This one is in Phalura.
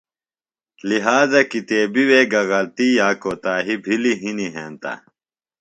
لہٰذا کتیبی وے گہ غلطی یا کوتاہی بھِلی ہِنیۡ ہینتہ،